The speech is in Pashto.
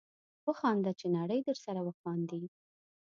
وخانده چې نړۍ درسره وخاندي